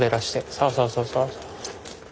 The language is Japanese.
そうそうそうそうそう。